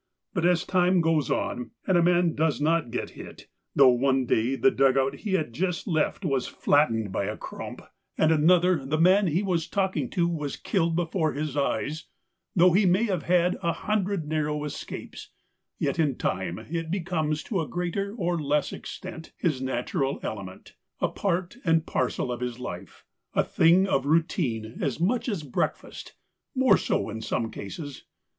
But as time goes on, and a man does not get hit, though one day the dug out he had just left was flattened by a THE COWARD 125 crump, and another the man he was talking to was killed before his eyes ; though he may have had a hundred narrow escapes, yet in time it becomes to a greater or less extent his natural element — a part and parcel of his life — a thing of routine as much as breakfast, more so, in some cases.